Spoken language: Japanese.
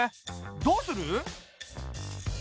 どうする？